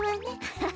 ハハ。